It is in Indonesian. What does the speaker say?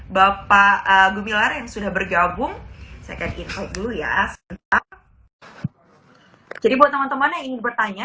bapak gumilar yang sudah bergabung saya akan invite dulu ya jadi buat teman teman yang ingin bertanya